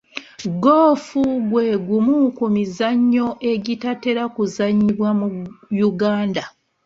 Goofu gwe gumu ku mizannyo egitatera kuzannyibwa mu Uganda.